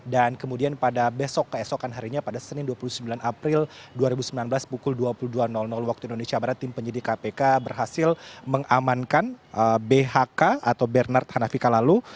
dan kemudian pada besok keesokan harinya pada senin dua puluh sembilan april dua ribu sembilan belas pukul dua puluh dua waktu indonesia barat tim penyidik kpk berhasil mengamankan bhk atau bernard hanafika lalu